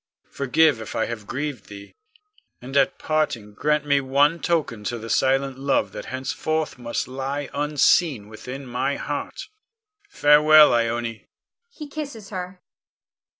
Forgive if I have grieved thee, and at parting grant me one token to the silent love that henceforth must lie unseen within my heart. Farewell, Ione! [_He kisses her.